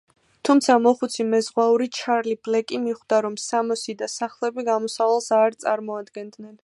თუმცა მოხუცი მეზღვაური ჩარლი ბლეკი მიხვდა, რომ სამოსი და სახლები გამოსავალს არ წარმოადგენდნენ.